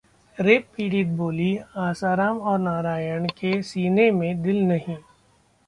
rape पीड़िता बोली, आसाराम और नारायण के सीने में दिल नहीं